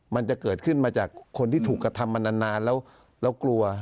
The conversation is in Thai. มันจะเกิดขึ้นมาจากคนที่ถูกกระทำมานานแล้วกลัว